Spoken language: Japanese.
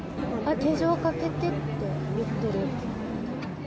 手錠かけてって言ってる。